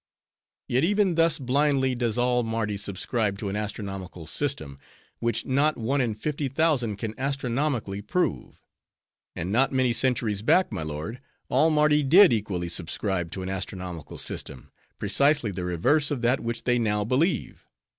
Yet even thus blindly does all Mardi subscribe to an astronomical system, which not one in fifty thousand can astronomically prove. And not many centuries back, my lord, all Mardi did equally subscribe to an astronomical system, precisely the reverse of that which they now believe.